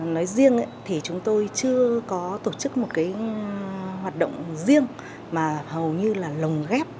nói riêng thì chúng tôi chưa có tổ chức một cái hoạt động riêng mà hầu như là lồng ghép